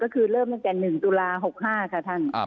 ก็คือเริ่มตั้งแต่๑ตุลา๖๕ค่ะท่าน